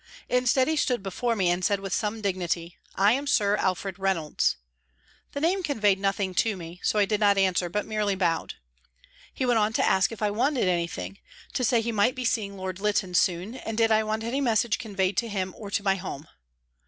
Instead he stood before me and said with some dignity : "I am Sir Alfred Reynolds." The name conveyed nothing to me, so I did not answer, but merely bowed. He went on to ask if I wanted 150 PRISONS AND PRISONERS anything, to say he might be seeing Lord Lytton soon and did I want any message conveyed to him or to my home.